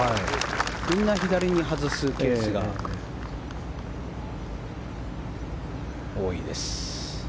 みんな左に外すケースが多いです。